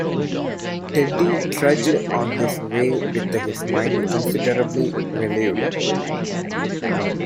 Teddy trudged on his way with his mind considerably relieved.